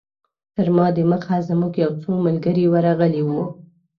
تر ما دمخه زموږ یو څو ملګري ورغلي وو.